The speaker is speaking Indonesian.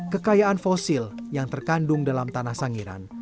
kekayaan fosil yang terkandung dalam tanah sangiran